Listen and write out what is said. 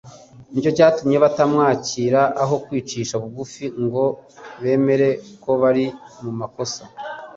nicyo cyatumye batamwakira. Aho kwicisha bugufi ngo bemere ko bari mu makosa,